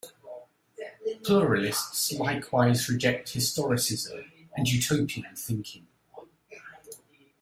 Pluralists likewise reject historicism and utopian thinking.